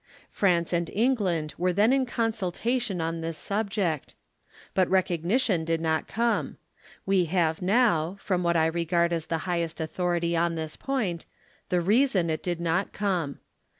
France and England were then in consultation on this subject. But recognition did not come. "We have now, from what I regard as the highest authority on this point, the reason it did not come.